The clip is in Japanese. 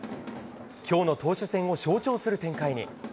今日の投手戦を象徴する展開に。